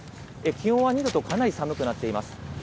気温は２度とかなり寒くなっています。